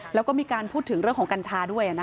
แล้วก็มีการพูดถึงเรื่องของกัญชาด้วย